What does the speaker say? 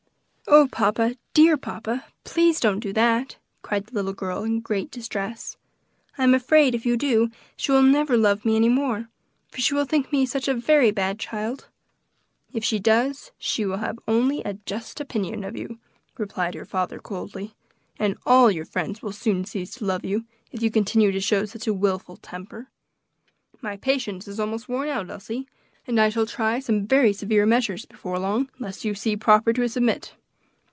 "Oh, papa! dear papa! please don't do that!" cried the little girl in great distress. "I am afraid if you do she will never love me any more, for she will think me such a very bad child." "If she does, she will only have a just opinion of you," replied her father coldly; "and all your friends will soon cease to love you, if you continue to show such a wilful temper; my patience is almost worn out, Elsie, and I shall try some very severe measures before long, unless you see proper to submit.